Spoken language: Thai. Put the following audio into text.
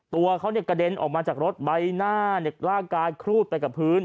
ตัวเขากระเด็นออกมาจากรถใบหน้าร่างกายครูดไปกับพื้น